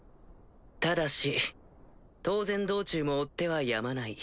ただし当然道中も追手はやまない。